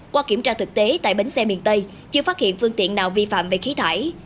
qua kiểm tra thực tế tại bến xe miền tây chưa phát hiện phương tiện nào vi phạm về khí thải